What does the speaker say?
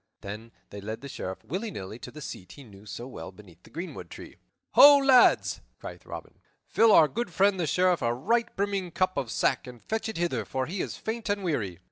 Then he led the Sheriff, willy nilly, to the seat he knew so well beneath the greenwood tree. "Ho, lads!" cried Robin, "fill our good friend the Sheriff a right brimming cup of sack and fetch it hither, for he is faint and weary."